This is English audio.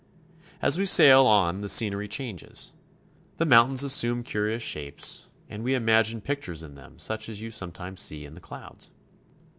As we sail on the scenery changes. The mountains as sume curious shapes, and we imagine pictures in them such as you sometimes see in the clouds.